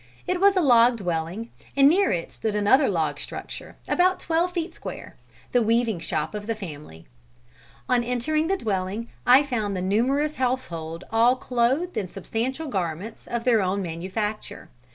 It was a log dwelling, and near it stood another log structure, about twelve feet square, the weaving shop of the family. On entering the dwelling I found the numerous household all clothed in substantial garments of their own manufacture.